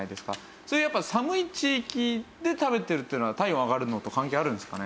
それやっぱ寒い地域で食べてるっていうのは体温上がるのと関係あるんですかね？